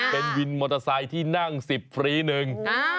เป็นวินมอเตอร์ไซค์ที่นั่งสิบฟรีหนึ่ง